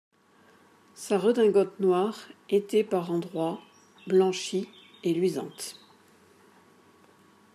Sa redingote noire était par endroits blanchie et luisante.